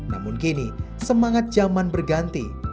namun kini semangat zaman berganti